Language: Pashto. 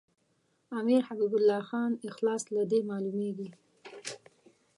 امیر حبیب الله خان اخلاص له دې معلومیږي.